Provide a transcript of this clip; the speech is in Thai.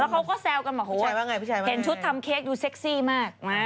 เขาก็แซวกันมาเห็นชุดทำเค้กดูเซ็กซี่มาก